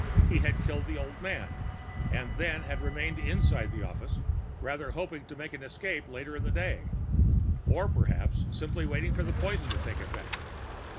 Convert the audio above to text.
He had killed the old man, and then had remained inside the office, either hoping to make an escape later in the day, or perhaps simply waiting for the poison to take effect.